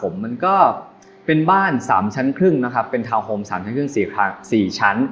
มันก็เป็นบ้าน๓ชั้นครึ่งนะครับเป็นทาวนโฮม๓ชั้นครึ่ง๔ชั้น